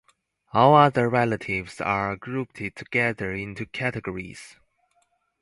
All other relatives are grouped together into categories.